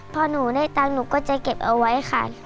พอหนูได้ตังค์หนูก็จะเก็บเอาไว้ค่ะ